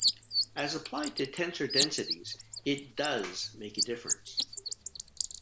As applied to tensor densities, it "does" make a difference.